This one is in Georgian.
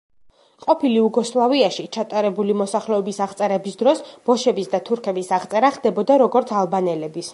ყოფილ იუგოსლავიაში ჩატარებული მოსახლეობის აღწერების დროს ბოშების და თურქების აღწერა ხდებოდა როგორც ალბანელების.